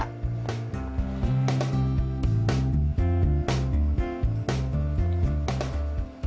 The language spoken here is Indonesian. bapak tahu dari mana